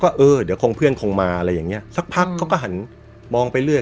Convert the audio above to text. เออเดี๋ยวคงเพื่อนคงมาอะไรอย่างเงี้สักพักเขาก็หันมองไปเรื่อย